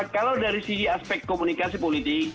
kalau dari sisi aspek komunikasi politik